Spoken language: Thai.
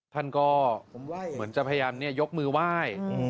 ท่านก็เหมือนจะพยายามยกมือไหว้